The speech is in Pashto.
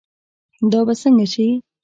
دا به سنګه شي